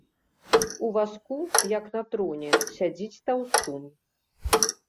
У вазку, як на троне, сядзіць таўстун.